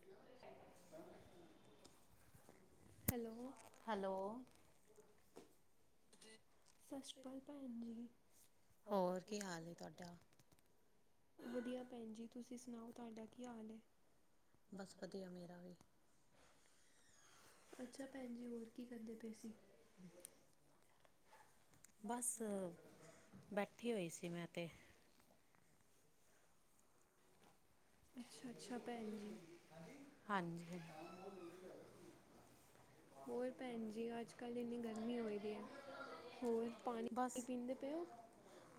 [unintelligible] Hello. Hello. ਸਤਿ ਸ਼੍ਰੀ ਅਕਾਲ ਭੈਣ ਜੀ [inaudible] ਹੋਰ ਕੀ ਹਾਲ ਏ ਤੁਹਾਡਾ? ਵਧੀਆ ਭੈਣ ਜੀ, ਤੁਸੀਂ ਸੁਣਾਓ ਤੁਹਾਡਾ ਕੀ ਹਾਲ ਹੈ? ਬਸ, ਵਧੀਆ ਮੇਰਾ ਵੀ। ਅੱਛਾ ਭੈਣ ਜੀ, ਹੋਰ ਕੀ ਕਰਦੇ ਪਏ ਸੀ? ਬਸ ਬੈਠੀ ਹੋਈ ਸੀ ਮੈਂ ਤੇ ਅੱਛਾ-ਅੱਛਾ ਭੈਣ ਜੀ ਹਾਂਜੀ ਹਾਂਜੀ ਹੋਰ ਭੈਣ ਜੀ ਅੱਜ ਕੱਲ੍ਹ ਇੰਨੀ ਗਰਮੀ ਹੋ ਦੀ ਹੈ ਹੋਰ ਪਾਣੀ ਬਸ ਪੀਂਦੇ ਪਏ ਹੋ।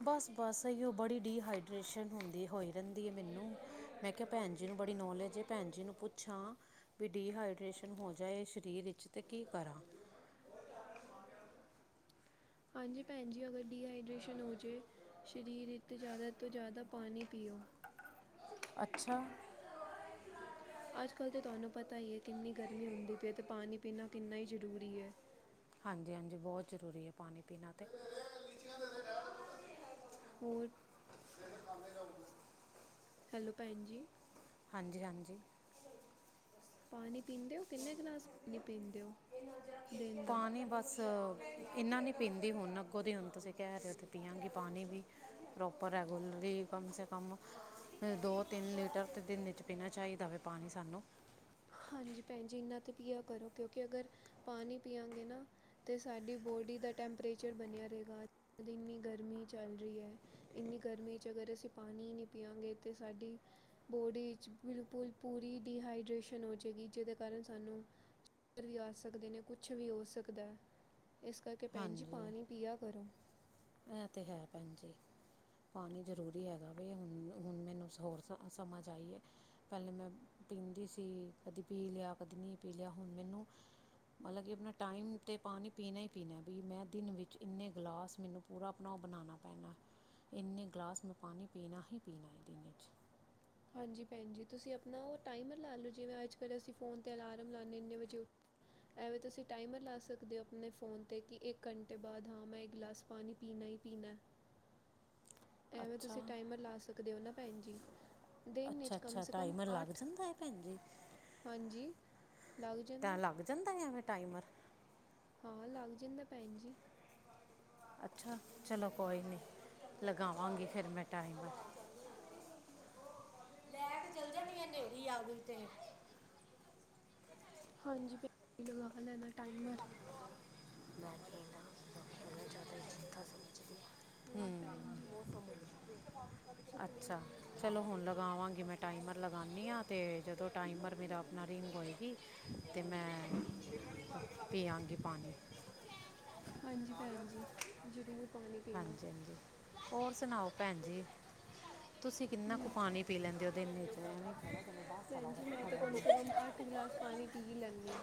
ਬਸ ਬਸ ਇਹੀ ਉਹ ਬੜੀ ਡੀਹਾਈਡਰੇੇਸ਼ਨ ਹੁੰਦੀ ਹੋਈ ਰਹਿੰਦੀ ਹੈ ਮੈਨੂੰ ਮੈਂ। ਕਿ ਭੈਣ ਜੀ ਨੂੰ ਬੜੀ ਨੌਲੇਜ ਭੈਣ ਜੀ ਨੂੰ ਪੁੱਛਾਂ। ਵੀ ਡੀਹਾਈਡ੍ਰੇਸ਼ਨ ਹੋ ਜਾਏ ਸਰੀਰ ਵਿੱਚ ਤੇ ਕੀ ਕਰਾਂ। ਹੋ। ਹਾਂਜੀ ਭੈਣ ਜੀ ਅਗਰ ਡੀਹਾਈਡਰੇੇਸ਼ਨ ਹੋ ਜਾਵੇ। ਸਰੀਰ ਵਿੱਚ ਜ਼ਿਆਦਾ ਤੋਂ ਜ਼ਿਆਦਾ ਪਾਣੀ ਪੀਓ। ਅੱਛਾ। ਅੱਜ ਕੱਲ੍ਹ ਤਾਂ ਤੁਹਾਨੂੰ ਪਤਾ ਹੀ ਹੈ। ਕਿੰਨੀ ਗਰਮੀ ਹੁੰਦੀ ਪਈ ਹੈ। ਅਤੇ ਪਾਣੀ ਪੀਣਾ ਕਿੰਨਾ ਹੀ ਜ਼ਰੂਰੀ ਹੈ। ਹਾਂਜੀ- ਹਾਂਜੀ ਬਹੁਤ ਜ਼ਰੂਰੀ ਹੈ ਪਾਣੀ ਪੀਣਾ। ਤੇ ਹੋਰ ਹੈਲੋ ਭੈਣ ਜੀ। ਹਾਂਜੀ-ਹਾਂਜੀ। ਪਾਣੀ ਪੀਂਦੇ ਹੋ, ਕਿੰਨੇ ਗਲਾਸ ਪਾਣੀ ਪੀਂਦੇ ਹੋ, ਦਿਨ ਦਾ? ਪਾਣੀ ਬਸ ਇੰਨਾ ਨਹੀਂ ਪੀਂਦੀ, ਹੁਣ ਅੱਗੋਂ ਦੀ ਹੁਣ ਤੁਸੀਂ ਕਹਿ ਰਹੇ ਹੋ, ਤੇ ਪਿਆਗੀ ਪਾਣੀ ਵੀ, ਪ੍ਰੋਪਰ ਰੈਗੂਲਰਲੀ। ਕਮ ਸੇ ਕਮ, ਦੋ, ਤਿੰਨ ਲੀਟਰ ਤੇ ਦਿਨ 'ਚ ਪੀਣਾ ਚਾਹੀਦਾ ਵੈ ਪਾਣੀ ਸਾਨੂੰ। ਹਾਂਜੀ ਭੈਣ ਜੀ, ਇੰਨਾਂ ਤਾਂ ਪੀਆ ਕਰੋ, ਕਿਉਂਕਿ ਅਗਰ ਪਾਣੀ ਪੀਆਗੇ ਨਾ ਤੇ ਸਾਡੀ ਬੋਡੀ ਦਾ ਟੈਂਪਰੇਚਰ ਬਣਿਆ ਰਹੇਗਾ, ਇੰਨੀ ਗਰਮੀ ਚੱਲ ਰਹੀ ਹੈ। ਇੰਨੀ ਗਰਮੀ ਚ' ਅਗਰ ਅਸੀਂ ਪਾਣੀ ਨਹੀਂ ਪੀਆਗੇ। ਤੇ ਸਾਡੀ ਬੋਡੀ 'ਚ ਬਿਲਕੁਲ ਪੂਰੀ ਡੀਹਾਈਡਰੇੇਸ਼ਨ ਹੋ ਜਾਵੇਗੀ, ਜਿਹਦੇ ਕਾਰਨ ਸਾਨੂੰ ਵੀ ਆ ਸਕਦੇ ਨੇ ਕੁੱਛ ਵੀ ਹੋ ਸਕਦਾ। ਇਸ ਕਰਕੇ ਭੈਣ ਜੀ ਹਾਂਜੀ ਪਾਣੀ ਪੀਆ ਕਰੋ। ਇਹ ਤੇ ਹੈ, ਭੈਣ ਜੀ। ਪਾਣੀ ਜ਼ਰੂਰੀ ਹੈਗਾ ਵੈ, ਹੁਣ-ਹੁਣ ਮੈਨੂੰ ਹੋਰ ਸ ਸਮਝ ਆਈ ਏ। ਪਹਿਲੇ ਮੈਂ ਪੀਂਦੀ ਸੀ। ਕਦੀ ਪੀ ਲਿਆ, ਕਦੀ ਨਹੀਂ ਪੀ ਲਿਆ। ਹੁਣ ਮੈਨੂੰ ਹਲਾ ਕਿ ਆਪਣਾ ਟਾਈਮ ਤੇ ਪਾਣੀ ਪੀਣਾ ਹੀ ਪੀਣਾ। ਵੀ ਮੈਂ ਦਿਨ ਵਿੱਚ ਇੰਨੇ ਗਿਲਾਸ ਮੈਨੂੰ ਪੂਰਾ ਆਪਣਾ ਉਹ ਬਣਾਉਣਾ ਪੈਣਾ। ਇੰਨੇ ਗਲਾਸ ਮੈਂ ਪਾਣੀ ਪੀਣਾ ਹੀ ਪੀਣਾ ਇਹ ਦਿਨ 'ਚ। ਹਾਂਜੀ ਭੈਣ ਜੀ, ਤੁਸੀਂ ਆਪਣਾ ਉਹ ਟਾਈਮਰ ਲਾ ਲਓ, ਜਿਵੇਂ ਅੱਜ ਕੱਲ ਅਸੀਂ ਫੋਨ 'ਤੇ ਅਲਾਰਮ ਲਾ ਲੈਣੇ। ਇੰਨੇ ਵਜੇ ਉ ਐਵੇਂ ਤੁਸੀਂ ਟਾਈਮਰ ਲਾ ਸਕਦੇ ਹੋ ਆਪਣੇ ਫ਼ੋਨ 'ਤੇ, ਕਿ ਇੱਕ ਘੰਟੇ ਬਾਅਦ ਹਾਂ ਮੈਂ ਇਕ ਗਲਾਸ ਪਾਣੀ ਪੀਣਾ ਹੀ ਪੀਣਾ। ਐਵੇਂ ਅੱਛਾ ਤੁਸੀਂ ਟਾਈਮਰ ਲਾ ਸਕਦੇ ਹੋ ਨਾ, ਭੈਣ ਜੀ। ਦਿਨ ਅੱਛਾ ਕਮ ਅੱਛਾ ਸੇ ਕਮ ਟਾਈਮਰ ਲੱਗ ਅੱਠ। ਜਾਂਦਾ ਹੈ ਭੈਣ ਜੀ ਹਾਂਜੀ। ਲੱਗ ਜਾਂਦਾ ਤਾਂ ਲੱਗ ਜਾਂਦਾ ਐਵੇਂ ਟਾਈਮਰ? ਹਾਂ, ਲੱਗ ਜਾਂਦਾ ਭੈਣ ਜੀ। ਅੱਛਾ। ਚਲੋ ਕੋਈ ਨਹੀਂ, ਲਗਾਵਾਂਗੀ ਫਿਰ ਮੈਂ ਟਾਈਮਰ। [inaudible] ਲੈ ਕੇ ਚੱਲ ਜਾਂਦੀ ਆ ਹਨੇਰੀ ਆ ਗਈ ਤੇ। ਹਾਂਜੀ। ਭੈਣ ਲਗਾ ਲੈਣਾ ਟਾਈਮਰ। ਮੈਂ ਜ਼ਿਆਦਾ ਹੂ ਹੋਰ ਭੈਣ ਜੀ ਅੱਛਾ। ਚਲੋ ਹੁਣ ਲਗਾਵਾਂਗੀ। ਮੈਂ ਟਾਈਮਰ ਲਗਾਉਂਦੀ ਹਾਂ, ਅਤੇ ਜਦੋਂ ਟਾਈਮਰ ਮੇਰਾ ਨਾਲਾਰੀ ਮੰਗੋਈਗੀ [unintelligible] ਅਤੇ ਮੈਂ ਪਿਆਗੀ ਪਾਣੀ। ਹਾਂਜੀ। ਭੈਣ ਜੀ, ਜ਼ਰੂਰ ਪਾਣੀ ਪੀਣਾ। ਹਾਂਜੀ ਹਾਂਜੀ ਹੋਰ ਸੁਣਾਓ ਭੈਣ ਜੀ? ਤੁਸੀਂ ਕਿੰਨਾ ਕੁ ਪਾਣੀ ਪੀ ਲੈਂਦੇਓ? ਉਹ ਦਿਨ ਚ'। ਇੱਕ ਗਲਾਸ ਪਾਣੀ ਪੀ ਲੈਂਣੀ ਆ।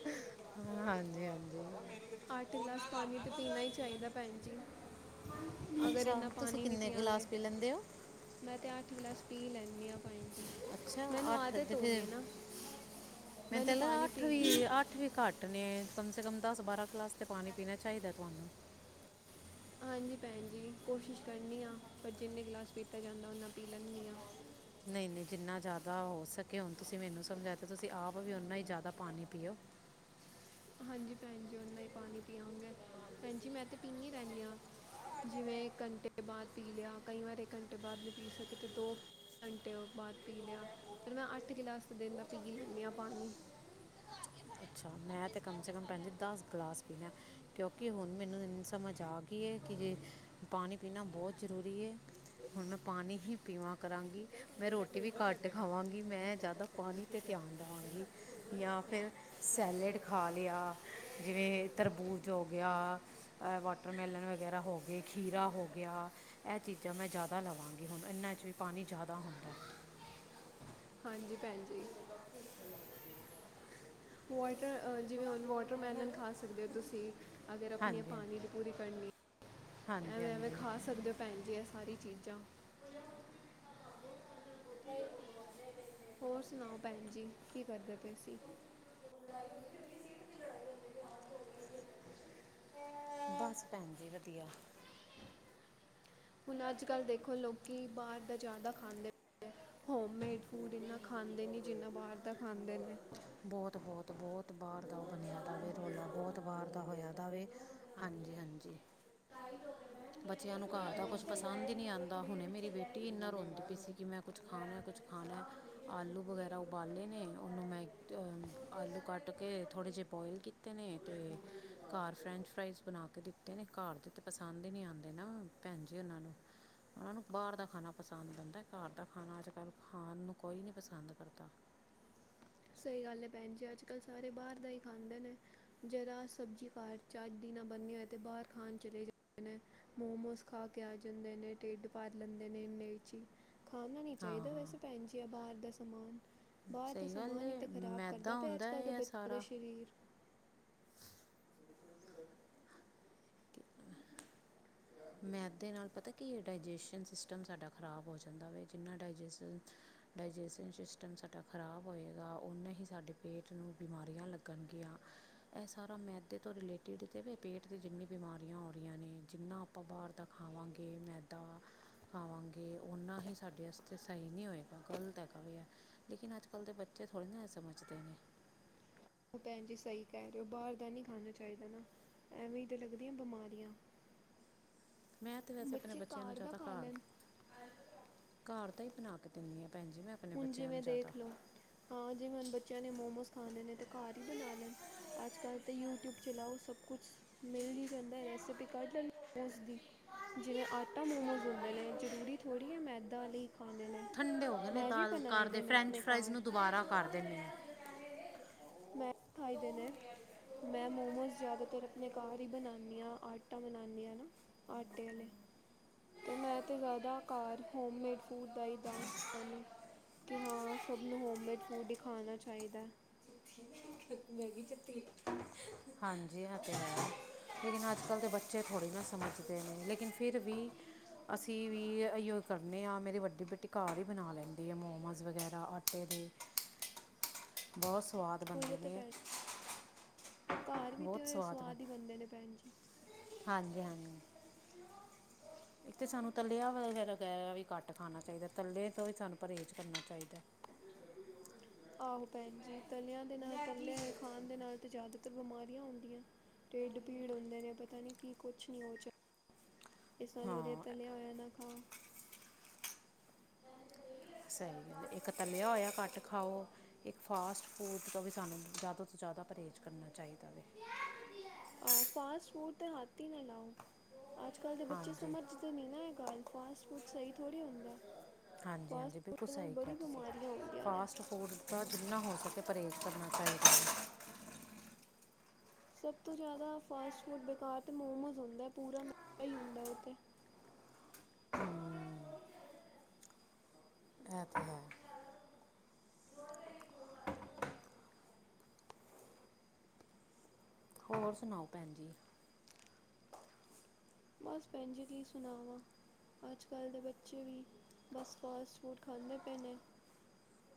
ਹਾਂਜੀ-ਹਾਂਜੀ। ਅੱਠ ਗਲਾਸ ਪਾਣੀ ਤਾਂ ਪੀਣਾ ਹੀ ਚਾਹੀਦਾ, ਭੈਣ ਜੀ। ਅਗਰ, ਅੱਛਾ ਇਨਾ ਤੁਸੀਂ ਪਾਣੀ ਨਹੀਂ ਕਿੰਨੇ ਪਿਆਗੇ ਗਲਾਸ ਪੀ ਲੈਂਦੇ ਹੋ ਮੈਂ ਅੱਠ ਗਲਾਸ ਪੀ ਲੈਂਦੀ ਹਾਂ। ਅੱਛਾ। ਅੱਠ ਤੇ ਫੇਰ ਨਾ ਮੈਨੂੰ ਤੇ ਪਾਣੀ ਅੱਠ ਪੀਣ ਦੀ ਵੀ ਅੱਠ ਵੀ ਘੱਟ ਨੇ। ਕਮ ਸੇ ਕਮ ਦਸ, ਬਾਰਾਂ ਗਲਾਸ 'ਤੇ ਪਾਣੀ ਪੀਣਾ ਚਾਹੀਦਾ ਤੁਹਾਨੂੰ। ਹਾਂਜੀ ਭੈਣ ਜੀ, ਕੋਸ਼ਿਸ਼ ਕਰਨੀ ਹਾਂ, ਪਰ ਜਿੰਨੇ ਗਲਾਸ ਪੀਤਾ ਜਾਂਦਾ ਉਨਾਂ ਪੀ ਲੈਂਦੀ ਹਾਂ। ਨਹੀਂ-ਨਹੀਂ, ਜਿੰਨਾ ਜ਼ਿਆਦਾ ਹੋ ਸਕੇ, ਹੁਣ ਤੁਸੀਂ ਮੈਨੂੰ ਸਮਝਾ ਤਾਂ, ਤੁਸੀਂ ਆਪ ਵੀ ਓਨਾ ਹੀ ਜ਼ਿਆਦਾ ਪਾਣੀ ਪੀਓ। ਹਾਂਜੀ ਭੈਣ ਜੀ, ਉਹਨਾਂ ਹੀ ਪਾਣੀ ਪਿਆਂਗੇ, ਭੈਣ ਜੀ ਮੈਂ ਤਾਂ ਪੀਨੀ ਰਹਿੰਦੀ ਹਾਂ। ਜਿਵੇਂ ਇੱਕ ਘੰਟੇ ਬਾਅਦ ਪੀ ਲਿਆ, ਕਈ ਵਾਰ ਇੱਕ ਘੰਟੇ ਬਾਅਦ ਵੀ ਪੀ ਸਕੇ ਤੇ ਦੋ ਘੰਟੇ ਬਾਅਦ ਪੀ ਲਿਆ, ਫਿਰ ਮੈਂ ਅੱਠ ਗਲਾਸ ਦਿਨ ਦਾ ਪੀ ਲੈਂਦੀ ਹਾਂ ਪਾਣੀ। ਅੱਛਾ, ਮੈਂ ਤਾਂ ਕਮ ਸੇ ਕਮ ਪੈ ਦਸ ਗਲਾਸ ਪੀਣਾ। ਕਿਉਂਕਿ ਹੁਣ ਮੈਨੂੰ ਇੰ ਸਮਝ ਆ ਗਈ ਹੈ ਕਿ ਜੇ ਪਾਣੀ ਪੀਣਾ ਬਹੁਤ ਜ਼ਰੂਰੀ ਏ। ਹੁਣ ਮੈਂ ਪਾਣੀ ਹੀ ਪੀਵਾਂ ਕਰਾਂਗੀ। ਮੈਂ ਰੋਟੀ ਵੀ ਕਾਟ ਦਿਖਾਵਾਂਗੀ, ਮੈਂ ਜ਼ਿਆਦਾ ਪਾਣੀ 'ਤੇ ਧਿਆਨ ਦੇਵਾਂਗੀ ਜਾਂ, ਫਿਰ ਸੈਲੇਡ ਖਾ ਲਿਆ। ਜਿਵੇਂ ਤਰਬੂਜ਼ ਹੋ ਗਿਆ। ਅ ਵਾਟਰਮੈਲਨ ਵਗੈਰਾ ਹੋ ਗਏ, ਖੀਰਾ ਹੋ ਗਿਆ। ਇਹ ਚੀਜ਼ਾਂ ਮੈਂ ਜ਼ਿਆਦਾ ਲਵਾਂਗੀ, ਹੁਣ ਇਹਨਾਂ ' ਵੀ ਪਾਣੀ ਜ਼ਿਆਦਾ ਹੁੰਦਾਐ। ਹਾਂਜੀ। ਭੈਣ ਜੀ, ਵਾਟਰ ਜਿਵੇਂ ਉਹਨੂੰ ਵਾਟਰਮੈਲਨ ਖਾ ਸਕਦੇ ਹੋ ਤੁਸੀਂ, ਅਗਰ ਆਪਣੀ ਹਾਂਜੀ ਪਾਣੀ ਦੀ ਪੂਰੀ ਕਰਨੀ ਹਾਂਜੀ ਹਾਂਜੀ ਐਵੇਂ-ਐਵੇਂ ਹਾਂਜੀ ਖਾ ਸਕਦੇ ਹੋ ਭੈਣ ਜੀ, ਇਹ ਸਾਰੀ ਚੀਜ਼ਾਂ ਹੋਰ ਸੁਣਾਓ, ਭੈਣ ਜੀ ਕੀ ਕਰਦੇ ਪਏ ਸੀਂ? ਹ ਬਸ, ਭੈਣ ਜੀ। ਵਧੀਆ ਹੁਣ, ਅੱਜ ਕੱਲ੍ਹ ਦੇਖੋ ਲੋਕੀ ਬਾਹਰ ਦਾ ਜ਼ਿਆਦਾ ਖਾਂਦੇ ਪ ਏਐ। ਹੋਮ ਮੇਡ ਫੂਡ ਇਨਾ ਖਾਂਦੇ ਨਹੀਂ ਜਿੰਨਾ ਬਾਹਰ ਦਾ ਖਾਂਦੇ ਨੇ। ਬਹੁਤ-ਬਹੁਤ, ਬਹੁਤ ਬਾਹਾਰ ਦਾ ਉਹ ਬਣਿਆ ਦਾਵੇ ਰੌਲਾ, ਬਹੁਤ ਬਾਹਾਰ ਦਾ ਹੋਇਆ ਦਾਵੇ। ਹਾਂਜੀ-ਹਾਂਜੀ। ਲਾਈਟ ਹੋਗ ਮੈਂ ਬੱਚਿਆਂ ਨੂੰ ਘਰ ਦਾ ਕੁੱਛ ਪਸੰਦ ਹੀ ਨਹੀਂ ਆਉਂਦਾ। ਹੁਣੇ ਮੇਰੀ ਬੇਟੀ ਇੰਨਾ ਰੋਂਦੀ ਪਈ ਸੀ ਕਿ, ਮੈਂ ਕੁਛ ਖਾਣਾ, ਕੁਛ ਖਾਣਾ ਆਲੂ ਵਗੈਰਾ ਉਬਾਲੇ ਨੇ ਉਹਨੂੰ ਮੈਂ ਆਲੂ ਕੱਟ ਕੇ ਥੋੜ੍ਹੇ ਜਿਹੇ ਬੋਆਇਲ ਕੀਤੇ ਨੇ ਤੇ ਘਰ ਫਰੈਂਚ ਫਰਾਈਜ਼ ਬਣਾ ਕੇ ਦਿੱਤਾ। ਘਰ ਦੇ ਤਾਂ ਪਸੰਦ ਹੀ ਨੀ ਆਉਂਦੇ ਨਾ। ਭੈਣ ਜੀ, ਉਹਨਾਂ ਨੂੰ ਉਹਨਾਂ ਨੂੰ ਬਾਹਰ ਦਾ ਖਾਣਾ ਪਸੰਦ ਆਉਦਾ, ਘਰ ਦਾ ਖਾਣਾ ਅੱਜ ਕੱਲ੍ਹ ਖਾਣ ਨੂੰ ਕੋਈ ਨੀ ਪਸੰਦ ਕਰਦਾ। ਸਹੀ ਗੱਲ ਹੈ, ਭੈਣ ਜੀ। ਅੱਜ ਕੱਲ੍ਹ ਸਾਰੇ ਬਾਹਰ ਦਾ ਹੀ ਖਾਂਦੇ ਨੇ। ਜਦੋਂ ਅ ਸਬਜ਼ੀ ਖਾਚ ਅੱਜ ਦਿਨਾਂ ਬਣਨੀ ਹੋਏ ਤਾਂ ਬਾਹਰ ਖਾਣ ਚਲੇ ਜਾਂਦੇ। ਮੋਮੋਸ ਖਾ ਕੇ ਆ ਜਾਂਦੇ ਨੇ, ਢਿੱਡ ਭਾਰ ਲੈਂਦੇ ਨੇ ਇੰਨੇਚ ਹੀ। ਖਾਣਾ ਨਹੀਂ ਹਾਂ ਚਾਹੀਦਾ। ਹਾਂ ਵੈਸੇ ਭੈਣ ਜੀ, ਆ ਬਾਹਰ ਦਾ ਸਮਾਨ ਬਾਹਰ ਦਾ ਸਹੀ ਗੱਲ ਸਮਾਨ ਹੀ ਏ ਤੇ ਖ਼ਰਾਬ ਕਰਦਾ ਮੈਦਾ ਪਿਆ ਅੱਜ ਹੁੰਦਾ ਕੱਲ੍ਹ ਦੇ ਹੈ ਇਹ ਬੱਚੇ ਦੇ ਸਾਰਾ ਸਰੀਰ ਮੈਦੇ ਦੇ ਨਾਲ ਪਤਾ ਕੀ ਇਹ ਡਾਇਜੈਸ਼ਨ ਸਿਸਟਮ ਸਾਡਾ ਖ਼ਰਾਬ ਹੋ ਜਾਂਦਾ ਵ ਜਿੰਨਾ ਡਾਇਜੈਸ ਡਾਇਜੈਸ਼ਨ ਸਿਸਟਮ ਸਾਡਾ ਖ਼ਰਾਬ ਹੋਏਗਾ ਨੇ ਹੀ ਸਾਡੇ ਪੇਟ ਨੂੰ ਬਿਮਾਰੀਆਂ ਲੱਗਣਗੀਆਂ। ਇਹ ਸਾਰਾ ਮੈਦੇ ਤੋਂ ਰਿਲੇਟਿਡ ਤੇਵੇ ਪੇਟ ਦੀ ਜਿੰਨੀ ਬਿਮਾਰੀਆਂ ਹੋ ਰਹੀਆਂ ਨੇ ਜਿੰਨਾ ਆਪਾਂ ਬਾਹਰ ਤਾਂ ਖਾਵਾਂਗੇ ਮੈਦਾ ਖਾਵਾਂਗੇ। ਓਨਾ ਹੀ ਸਾਡੇ ਵਾਸਤੇ ਸਹੀ ਨਹੀ ਹੋਏਗਾ। ਗ਼ਲਤ ਹੈਗਾ ਵੀ ਯ ਲੇਕਿਨ ਅੱਜ ਕੱਲ੍ਹ ਦੇ ਬੱਚੇ ਥੋੜ੍ਹੇਹੇ ਸਮਝਦੇ ਨੇ। ਉਹ ਭੈਣ ਜੀ ਸਹੀ ਕਹਿ ਰਹੇ ਹੋ। ਬਾਹਰ ਦਾ ਨਹੀਂ ਖਾਣਾ ਚਾਹੀਦਾ ਨਾ ਐਵੇਂ ਤਾਂ ਲੱਗਦੀਆਂ ਬਿਮਾਰੀਆਂ [unintelligible] ਓ ਮੈਂ ਤਾਂ ਵੈਸੇ ਆਪਣੇ ਬੱਚਿਆਂ ਨੂੰ ਜ਼ਿਆਦਾ ਘਰ ਘਰ ਤਾਂ ਹੀ ਬਣਾ ਕੇ ਦਿੰਦੀ ਆ ਭੈਣ ਜੀ ਮੈਂ। ਆਪਣੇ ਹੁਣ ਬੱਚਿਆਂ ਜਿਵੇਂ ਨੂੰ ਜ਼ਿਆਦਾ ਦੇਖ ਲਓ, ਹਾਂ। ਜਿਵੇਂ ਹੁਣ ਬੱਚਿਆਂ ਨੇ ਮੋਮੋਸ ਖਾਣੇ ਨੇ ਅਤੇ ਘਰ ਹੀ ਬਣਾ ਲੈਣ। ਅਜ ਕੱਲ੍ਹ ਤਾਂ ਯੂਟਿਊਬ ਚਲਾਓ, ਸਭ ਕੁਛ ਮਿਲ ਨਹੀਂ ਜਾਂਦਾ। ਰੈਸਿਪੀ ਕੱਢ ਲੈਣ ਮੋਸ ਦੀ ਜਿਵੇਂ ਆਟਾ ਮੋਮੋਸ ਹੁੰਦੇ ਨੇ ਜ਼ਰੂਰੀ ਥੋੜ੍ਹੀ ਹੈ, ਮੈਦਾ ਲਈ ਖਾਣੇ ਨੇ। ਠੰਡੇ ਹੋ ਗਏ, ਨੇ ਮੈਂ ਵੀ ਦਾਲ ਬਣਾਏ ਕਰਦੇ ਦੇ ਨੇ ਫਰੈਂਚ ਆਪਣੇ ਫਰਾਈਜ਼ ਘਰ ਨੂੰ ਦੁਬਾਰਾ ਕਰ ਦਿੰਦੇ ਆ। ਖਾਹੀਦੇ ਨੇ ਮੈਂ ਮੋਮੋਜ਼ ਜ਼ਿਆਦਾਤਰ ਆਪਣੇ ਘਰ ਹੀ ਬਣਾਣੀ ਆ। ਆਟਾ ਬਣਾਣੀ ਆ ਆਟੇ ਵਾਲੇ ਤੇ ਮੈਂ ਤਾਂ ਜ਼ਿਆਦਾਕਾਰ ਹੋਮਮੇਡ ਫੂਡ ਦਾ ਹੀ ਦਾ ਕਿ ਹਾਂ ਸਭ ਨੂੰ ਹੋਮਮੇਡ ਫੂਡ ਹੀ ਖਾਣਾ ਚਾਹੀਦਾ। ਮੈਗੀ ਚੱਟੀ ਹਾਂਜੀ ਹਾਂ ਤੇ ਰਹਿਣਾ ਲੇਕਿਨ ਅੱਜ-ਕੱਲ੍ਹ ਦੇ ਬੱਚੇ ਥੋੜ੍ਹੀ ਨਾ ਸਮਝਦੇ ਨੇ, ਲੇਕਿਨ ਫਿਰ ਵੀ ਅਸੀਂ ਵੀ ਅਈਓ ਕਰਨੇ ਹਾਂ, ਮੇਰੀ ਵੱਡੀ ਬੇਟੀ ਘਰ ਹੀ ਬਣਾ ਲੈਂਦੀ ਆ, ਮੋਮੋਜ਼ ਵਗੈਰਾ ਆਟੇ ਦੇ [unintelligible] ਬਹੁ ਸਵਾਦ ਉਹੀ ਬਣਦੇ ਤਾਂ ਨੇ। ਭੈਣ ਘਰ ਵੀ ਤੇ ਬਹੁਤ ਹੋਏ, ਸਵਾਦ ਬਣ ਸੁਵਾਦ ਹੀ ਬਣਦੇ ਨੇ ਭੈਣ ਜੀ। ਹਾਂਜੀ -ਹਾਂਜ ਇੱਕ ਤੇ ਸਾਨੂੰ ਤੱਲਿਆਂ ਵਗੈ ਵਗੈਰਾ ਵੀ ਘੱਟ ਖਾਣਾ ਚਾਹੀਦਾ, ਤੱਲੇ ਤੋਂ ਵੀ ਸਾਨੂੰ ਪਰਹੇਜ਼ ਕਰਨਾ ਚਾਹੀਦਾ। ਆਹੋ ਭੈਣ ਜੀ, ਤਲਿਆਂ ਦੇ ਨਾਲ ਤਲਿਆਂ ਏ ਖਾਣ ਦੇ ਨਾਲ ਤੇ ਜਾਦ ਤਰ ਬਿਮਾਰੀਆਂ ਹੁੰਦੀਆਂ, ਢਿੱਡ ਭੀੜ ਹੁੰਦੇ ਨੇ, ਪਤਾ ਨੀ ਕੀ ਕੁਛ ਨੀ ਹੋ ਜਾ ਇਸ ਨਾਲ ਵਧੀਆ ਹਾਂ ਤਲਿਆ ਹੋਇਆ ਨਾ ਖਾਓ। [unintelligible] ਸਹੀ ਗੱਲ ਏ, ਇੱਕ ਤਲਿਆ ਹੋਇਆ ਘੱਟ ਖਾਓ। ਇੱਕ ਫਾਸਟ ਫੂਡ ਤੋਂ ਵੀ ਸਾਨੂੰ ਜ਼ਿਆਦਾ ਤੋਂ ਜ਼ਿਆਦਾ ਪਰਹੇਜ਼ ਕਰਨਾ ਚਾਹੀਦਾ ਵੇ। ਆਹ ਫਾਸਟ ਫੂਡ ਤੇ ਹੱਥ ਹੀ ਨਾ ਲਾਓ, ਅੱਜ- ਕੱਲ੍ਹ ਦੇ ਬੱਚੇ ਹਾਂਜੀ ਸਮਝ ਦੇ ਨਹੀਂ ਨਾ ਇਹ ਗੱਲ, ਫਾਸਟ ਫੂਡ ਸਹੀ ਥੋੜ੍ਹੀ ਹੁੰਦਾ। ਹਾਂਜੀ ਫਾਸਟ -ਹਾਂਜੀ, ਬਿਲਕੁਲ ਫੂਡ ਨਾਲ ਸਹੀ ਕਿਹਾ ਬੜੀ ਤੁਸੀ, ਬਿਮਾਰੀਆਂ ਹੁੰਦੀਆਂ ਨੇ ਫਾਸਟ ਫੂਡ ਤੋਂ ਜਿੰਨਾ ਹੋ ਸਕੇ, ਪਰਹੇਜ਼ ਕਰਨਾ ਚਾਹੀਦਾ। ਸਭ ਤੋਂ ਜ਼ਿਆਦਾ ਫਾਸਟ ਫੂਡ ਬੇਕਾਰ ਤਾਂ ਮੋਮੋਜ਼ ਹੁੰਦਾ, ਪੂਰਾ ਮੈਦਾ ਹੀ ਹੁੰਦਾ ਉਹ ਤੇ। ਇਹ ਤੇ ਹੈ। ਹੋਰ ਸੁਣਾਓ ਭੈਣ ਜੀ। ਬਸ ਭੈਣ ਜੀ ਕੀ ਸੁਣਾਵਾਂ। ਅੱਜ- ਕੱਲ੍ਹ ਦੇ ਬੱਚੇ ਵੀ, ਬਸ ਫਾਸਟ ਫੂਡ ਖਾਂਦੇ ਪਏ ਨੇ।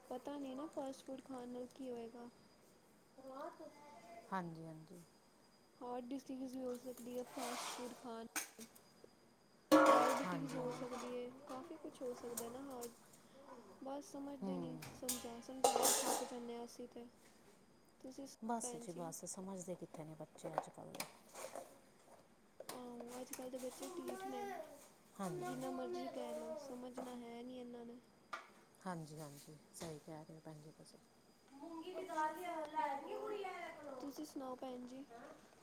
ਪਤਾ ਨੀ ਨਾ, ਫਾਸਟ ਫੂਡ ਖਾਣ ਨਾਲ ਕੀ ਹੋਏਗਾ। ਹਾਂਜੀ -ਹਾਂਜੀ। ਹੌਟ ਡਿਸਕੀਜ਼ ਵੀ ਹੋ ਸਕਦੀ ਐ, ਫਾਸਟ ਫੂਡ ਖਾਣ ਡਾਇਬਿਟੀਜ਼ ਹਾਂਜੀ ਹੋ ਹਾਂਜੀ ਸਕਦੀ ਏ, ਕਾਫੀ ਕੁਛ ਹੋ ਸਕਦਾ ਨਾ, ਹਾਰਟ ਬਸ ਸਮਝਦੇ ਨੀ, ਸਮਝਾ -ਸਮਝਾ ਕੇ ਥੱਕ ਜਾਂਨੇ ਆਂ ਅਸੀਂ ਤੇ। ਤੁਸੀਂ ਸੁਣਾਓ ਬੱਸ ਭੈਣ ਜੀ ਬੱਸ, ਸਮਝਦੇ ਕਿੱਥੇ ਨੇ ਬੱਚੇ ਅੱਜ- ਕੱਲ੍ਹ ਦੇ। ਆਹੋ ਅੱਜ- ਕੱਲ੍ਹ ਦੇ ਬੱਚੇ ਢੀਠ ਨੇ, ਹਾਂਜੀ ਜਿੰਨਾ ਮਰਜ਼ੀ ਕਹਿ ਲਓ। ਸਮਝਣਾ ਹੈ ਨੀ ਇਹਨਾਂ ਨੇ। ਹਾਂਜੀ- ਹਾਂਜੀ, ਸਹੀ ਕਹਿ ਰਹੇ ਹੋ ਭੈਣ ਜੀ ਤੁਸੀਂ, ਮੂੰਗੀ ਦੀ ਦਾਲ ਲੈ ਗੀ ਗੁੜੀਆ ਉਹ ਇਹ। ਤੁਸੀਂ ਸੁਣਾਓ ਭੈਣ ਜੀ,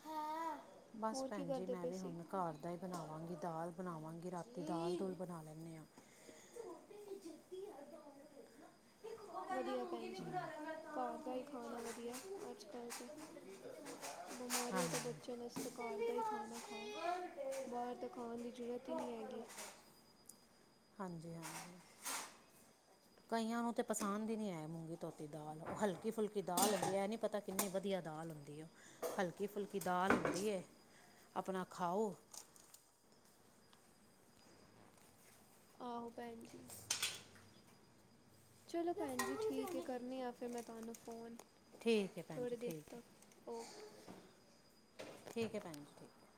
ਹਾਂ ਬਸ ਹੋਰ ਕੀ ਭੈਣ ਜੀ ਕਰਦੇ ਮੈਂ ਪਏ ਵੀ ਸੀ। ਹੁਣ ਘਰ ਦਾ ਹੀ ਬਣਾਵਾਂਗੀ, ਦਾਲ ਬਣਾਵਾਂਗੀ, ਰਾਤੀ ਦਾਲ- ਦੂਲ ਬਣਾ ਲੈਂਨੇ ਆਂ। ਉਹ ਕਹਿੰਦਾ ਵਧੀਆ ਮੂੰਗੀ ਭੈਣ ਵੀ ਜੀ, ਬਣਾ ਲੈ ਮੈਂ ਤਾਂ ਘਰ ਦਾ ਹੀ ਮੂੰਗੀ ਵੀ ਬਣਾ ਖਾਣਾ ਲਈ ਵਧੀਆ ਸੀ ਅੱਜ- ਕੱਲ ਤੇ। ਬਿਮਾਰੀਆਂ ਤੋਂ ਬਚਣ ਹਾਂਜੀ ਆਸਤੇ। ਘਰ ਸਿੰਮੀ ਦਾ ਹੀ ਖਾਣਾ ਖਾ, ਵਾਸਤੇ ਬਾਹਰ ਤਾਂ ਖਾਣ ਦੀ ਜ਼ਰੂਰਤ ਹੀ ਨਈ ਰੋਕ ਹੈਗੀ। ਰੋਕ ਹਾਂਜੀ- ਹਾਂਜੀ। [unintelligible] ਕਈਆਂ ਨੂੰ ਤਾਂ ਪਸੰਦ ਹੀ ਨੀ ਐ ਮੂੰਗੀ ਧੋਤੀ ਦਾਲ, ਉਹ ਹਲਕੀ ਫੁਲਕੀ ਦਾਲ ਇਹ ਨੀ ਪਤਾ ਕਿੰਨੀ ਵਧੀਆ ਦਾਲ ਹੁੰਦੀ ਐ, ਹਲਕੀ ਫੁਲਕੀ ਦਾਲ ਹੁੰਦੀ ਏ, ਆਪਣਾ ਖਾਓ। ਆਹੋ, ਭੈਣ ਜੀ। ਚਲੋ ਮੈਂ ਭੈਣ ਜੀ ਫੋਨ ਕਿਉਂ ਠੀਕ ਏ, ਨਹੀਂ ਕਰਨੀ ਦੇ ਆ ਫਿਰ ਮੈਂ ਤੁਹਾਨੂੰ ਫ਼ੋਨ। ਠੀਕ ਐ ਭੈਣ ਜੀ, ਥੋੜ੍ਹੇ ਦਿਨ ਠੀਕ ਐ, ਤੱਕ ਓਕੇ ਠੀਕ ਐ ਭੈਣ ਜੀ ਠੀਕ। ਹੈ